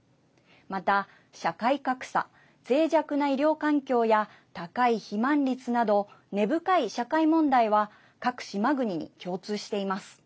また、社会格差ぜい弱な医療環境や高い肥満率など根深い社会問題は各島国に共通しています。